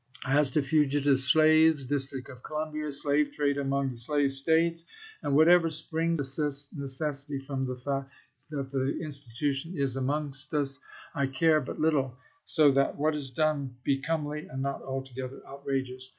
As to fugitive slaves, District of Columbia, slave trade among the slave States, and whatever springs of necessity from the fact that the institution is amongst us, I care but little, so that what is done be comely and not altogether Lincoln to Seward! outrageous.